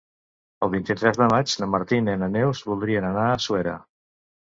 El vint-i-tres de maig na Martina i na Neus voldrien anar a Suera.